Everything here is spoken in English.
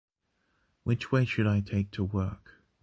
Which way should I take to work?